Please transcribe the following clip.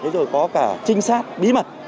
rồi có cả trinh sát bí mật